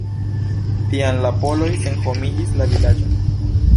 Tiam la poloj senhomigis la vilaĝon.